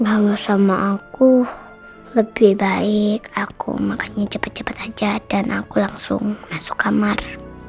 kamu sama aku lebih baik aku makan cepet cepet aja dan aku langsung masuk kamar